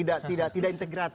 agak tidak integrat